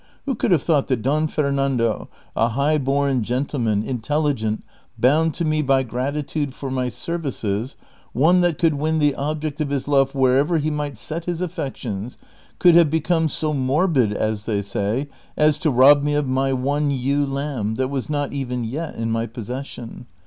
Who could have thought that Don Fernando, a high born gentleman, intelligent, bound to me by gratitude for my services, one that could win the object of his love wherever he might set his affections, could have become so morbid, as they say, as to rob me of my one ewe lamb that was not even yet in my possession?